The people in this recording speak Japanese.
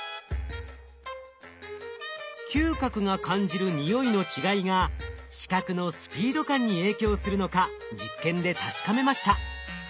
嗅覚が感じる匂いの違いが視覚のスピード感に影響するのか実験で確かめました。